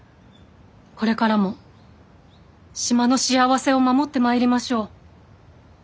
これからも島の幸せを守ってまいりましょう。